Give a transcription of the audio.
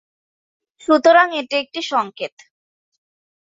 সুতরাং এটি একটি সংকেত।